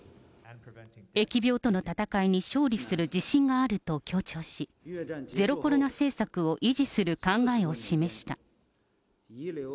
疫病との闘いに勝利する自信があると強調し、ゼロコロナ政策を維持する考えを示した。